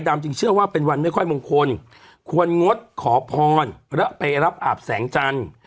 และไปรับอาบแสงจันทร์